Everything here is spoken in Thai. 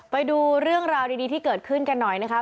ไปดูเรื่องราวดีที่เกิดขึ้นกันหน่อยนะคะ